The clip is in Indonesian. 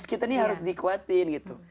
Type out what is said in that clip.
terus kita nih harus dikuatin gitu